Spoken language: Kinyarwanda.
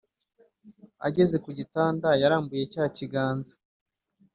ageze kugitanda yarambuye cyakiganza